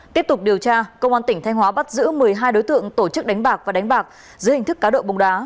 tiếp tục điều tra công an tỉnh thanh hóa bắt giữ một mươi hai đối tượng tổ chức đánh bạc và đánh bạc dưới hình thức cá độ bóng đá